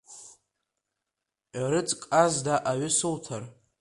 Ерыӡк азна аҩы суҭар…